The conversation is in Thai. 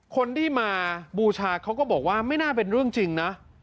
คนที่มาบูชาเขาก็บอกว่าไม่น่าเป็นเรื่องจริงนะ